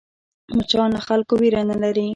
مچان له خلکو وېره نه لري